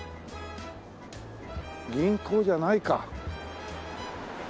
銀行じゃないか。